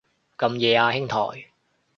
咁夜啊兄台